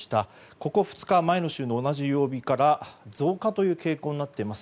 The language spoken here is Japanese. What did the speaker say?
ここ２日、前の週の同じ曜日から増加という傾向になっています。